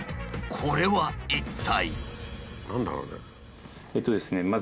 これは一体？